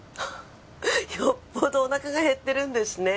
よっぽどお腹が減ってるんですね。